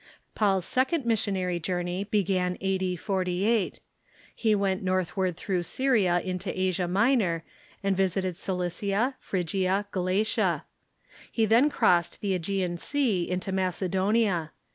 Paul's second missionaiy journey began a.d. 48. He went northward through Syria into Asia Minor, and visited Cilicia, Phrygia, Galatia. He then crossed the ^Egean Sea into Mace donia.